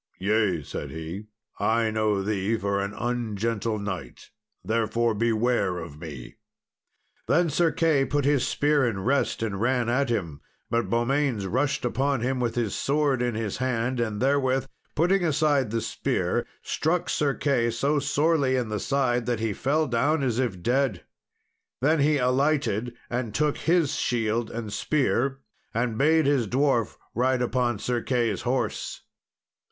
"Yea," said he, "I know thee for an ungentle knight, therefore beware of me." Then Sir Key put his spear in rest and ran at him, but Beaumains rushed upon him with his sword in his hand, and therewith, putting aside the spear, struck Sir Key so sorely in the side, that he fell down, as if dead. Then he alighted, and took his shield and spear, and bade his dwarf ride upon Sir Key's horse.